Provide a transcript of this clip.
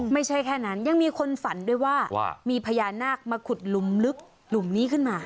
ไม่ใช่แค่นั้นยังมีคนฝันด้วยว่ามีพญานาคมาขุดหลุมลึกหลุมนี้ขึ้นมา